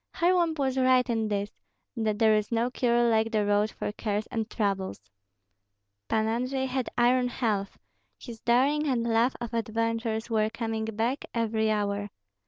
Kharlamp was right in this, that there is no cure like the road for cares and troubles. Pan Andrei had iron health; his daring and love of adventures were coming back every hour.